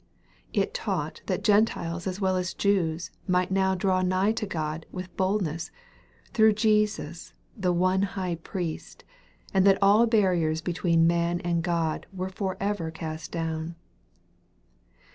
It taught that Gentiles as well as Jews might now draw nigh to God with bold ness, through Jesus the one High Priest, and that all barriers between man and God were for ever cast down.